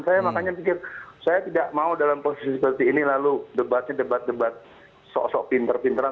saya makanya pikir saya tidak mau dalam posisi seperti ini lalu debatnya debat debat sok sok pinter pinteran